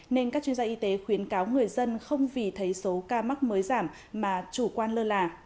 nên các chuyên gia y tế khuyến cáo người dân không vì thấy số ca mắc mới giảm mà chủ quan lơ là